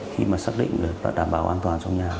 khi mà xác định được đảm bảo an toàn trong nhà